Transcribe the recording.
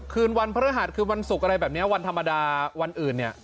คืนวันพระฤหัสคืนวันศุกร์อะไรแบบนี้วันธรรมดาวันอื่นเนี่ย